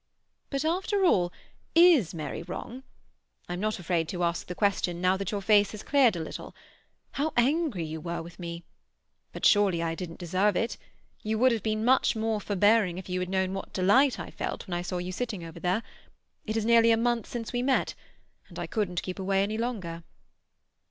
"But, after all, is Mary wrong? I'm not afraid to ask the question now that your face has cleared a little. How angry you were with me! But surely I didn't deserve it. You would have been much more forbearing if you had known what delight I felt when I saw you sitting over there. It is nearly a month since we met, and I couldn't keep away any longer."